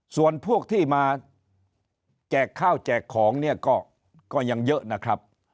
ส่วนพวกที่มาแจกข้าวแจกของเนี่ยก็ยังเยอะนะครับ